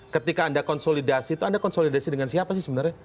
ketika anda konsolidasi itu anda konsolidasi dengan siapa sih sebenarnya